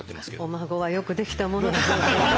お孫はよくできたものだ。